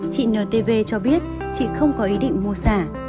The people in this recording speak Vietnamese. chị ntv cho biết chị không có ý định mua xả